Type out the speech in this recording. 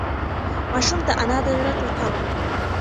ماشوم د انا د زړه ټوټه وه.